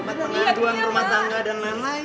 dapat pengaduan rumah tangga dan lain lain